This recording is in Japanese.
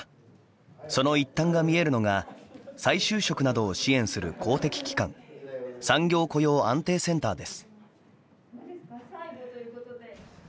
その一端が見えるのが再就職などを支援する公的機関産業雇用安定センターです。